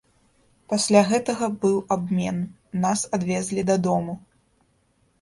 Пасля гэтага быў абмен, нас адвезлі дадому.